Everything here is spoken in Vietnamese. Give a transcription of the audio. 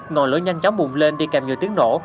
ngọn lửa nhanh chóng bùng lên đi kèm nhiều tiếng nổ